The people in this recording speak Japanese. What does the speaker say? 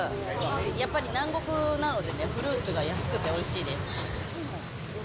やっぱり南国なのでね、フルーツが安くておいしいです。